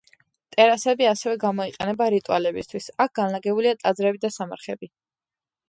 ტერასები ასევე გამოიყენება რიტუალებისთვის, აქ განლაგებულია ტაძრები და სამარხები.